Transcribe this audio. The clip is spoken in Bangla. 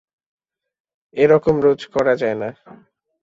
এ-রকম রোজ করা যায় না।